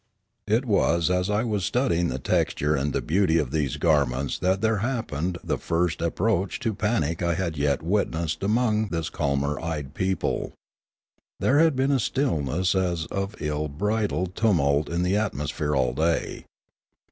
It was as I was studying the texture and the beauty of these garments that there happened the first ap proach to panic I had yet witnessed among this calm eyed people. There had been a stillness as of ill bridled tumult in the atmosphere all day.